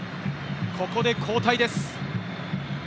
ここで交代です。